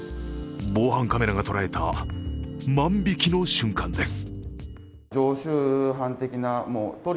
防犯カメラが捉えた万引きの瞬間です。